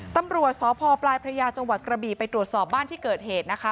ตำรวจสพพจกระบี่ไปตรวจสอบบ้านที่เกิดเหตุนะคะ